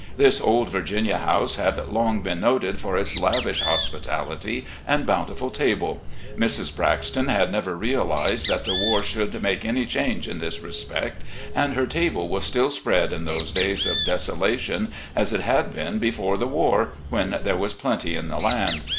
This old Virginia house had long been noted for its lavish hospitality and botmtiful table. Mrs. Braxton had never realised that the war should make any change in this respect, and her table was still spread in those days of desolation as it had been before the war, when there was plenty in the land.